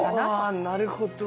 なるほど！